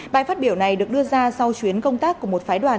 bài phát biểu này được đưa ra sau chuyến công tác của một phái đoàn